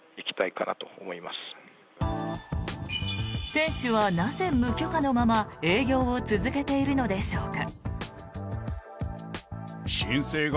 店主は、なぜ無許可のまま営業を続けているのでしょうか。